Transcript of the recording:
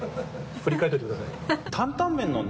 振り返っておいてください。）